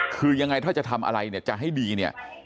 คือยังไงถ้าจะทำอะไรเนี่ยจะให้ดีเนี่ย